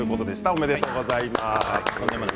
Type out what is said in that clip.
おめでとうございます。